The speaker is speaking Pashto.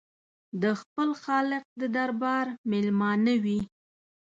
د خپل خالق د دربار مېلمانه وي.